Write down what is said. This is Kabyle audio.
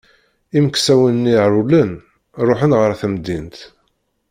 Imeksawen-nni rewlen, ṛuḥen ɣer temdint.